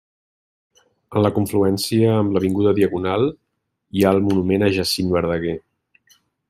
En la confluència amb l'avinguda Diagonal hi ha el monument a Jacint Verdaguer.